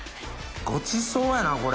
ごちそうやなこれ！